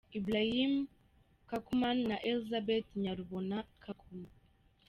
Ibulaimu Kakoma na Elizabeth Nyarubona Kakoma.